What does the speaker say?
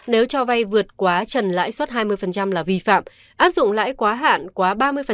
nếu cho vay vượt quá trần lãi suất hai mươi là vi phạm áp dụng lãi quá hạn quá ba mươi